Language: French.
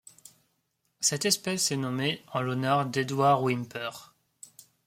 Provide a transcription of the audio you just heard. Cette espèce est nommée en l'honneur d'Edward Whymper.